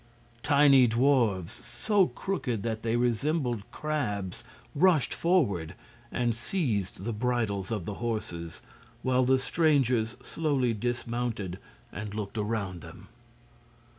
Tiny dwarfs, so crooked that they resembled crabs, rushed forward and seized the bridles of the horses, while the strangers slowly dismounted and looked around them.